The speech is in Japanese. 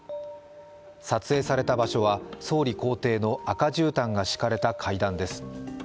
撮影された場所は総理公邸の赤じゅうたんが敷かれた階段です。